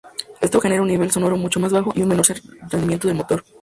Esto genera un nivel sonoro mucho más bajo y un mejor rendimiento del motor.